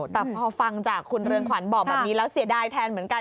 แต่พอฟังจากคุณเรืองขวัญบอกแบบนี้แล้วเสียดายแทนเหมือนกัน